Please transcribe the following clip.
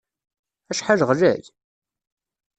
Acḥal ɣlay!